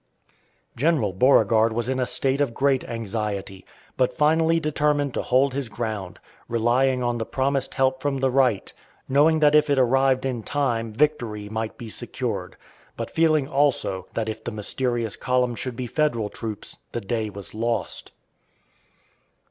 General Beauregard was in a state of great anxiety, but finally determined to hold his ground, relying on the promised help from the right; knowing that if it arrived in time victory might be secured, but feeling also that if the mysterious column should be Federal troops the day was lost.